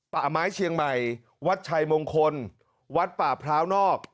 ป่าไม้เชียงใหม่วัดชัยมงคลวัดป่าพร้าวนอก